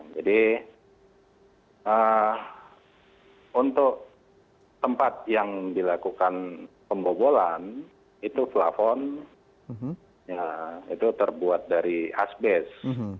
jadi untuk tempat yang dilakukan pembobolan itu plafon itu terbuat dari asbest